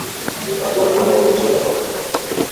আচ্ছা শোনো, ওদের সাথে কথা বলো না।